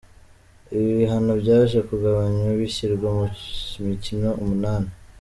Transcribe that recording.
Ibi bihano byaje kugabanywa bishyirwa ku mikino umunani.